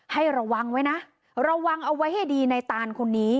ให้ระวังไว้นะระวังเอาไว้ให้ดีในตานคนนี้